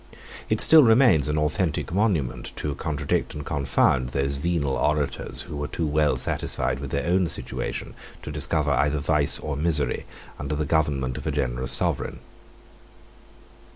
It still remains an authentic monument to contradict and confound those venal orators, who were too well satisfied with their own situation to discover either vice or misery under the government of a generous sovereign.